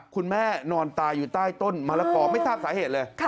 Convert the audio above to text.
คุณแม่นอนตายอยู่ใต้ต้นมรกอไม่ทราบสาเหตุเลย